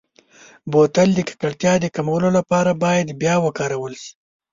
بوتل د ککړتیا د کمولو لپاره باید بیا وکارول شي.